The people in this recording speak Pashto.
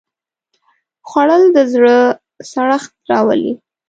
خوړل د زړه سړښت راولي